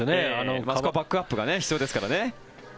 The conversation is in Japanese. あそこはバックアップが必要ですからね。